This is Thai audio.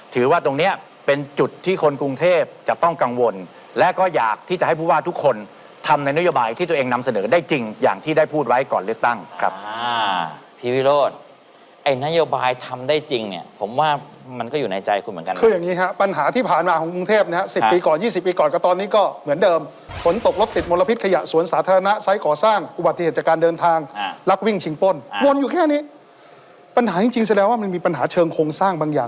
ถือว่าตรงเนี้ยเป็นจุดที่คนกรุงเทพจะต้องกังวลและก็อยากที่จะให้พูดว่าทุกคนทำในนโยบายที่ตัวเองนำเสนอได้จริงอย่างที่ได้พูดไว้ก่อนเลือกตั้งครับอ่าพี่วิโรศไอ้นโยบายทำได้จริงเนี้ยผมว่ามันก็อยู่ในใจคุณเหมือนกันคืออย่างงี้ฮะปัญหาที่ผ่านมาของกรุงเทพเนี้ยฮะสิบปีก่อนย